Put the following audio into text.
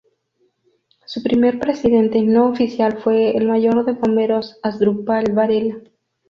Su primer presidente no oficial fue el Mayor de Bomberos Asdrúbal Varela.